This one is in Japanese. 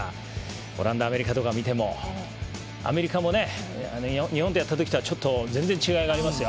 だからオランダ、アメリカとか見てもアメリカもね日本とやった時とはちょっと全然違いがありますよ。